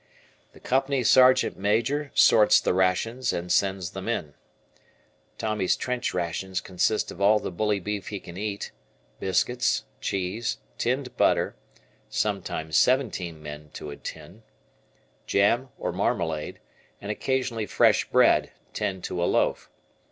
The Company Sergeant Major sorts the rations, and sends them in. Tommy's trench rations consist of all the bully beef he can eat, biscuits, cheese, tinned butter (sometimes seventeen men to a tin), jam, or marmalade, and occasionally fresh bread (ten to a loaf).